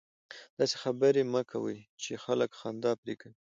داسي خبري مه کوئ! چي خلک خندا پر کوي.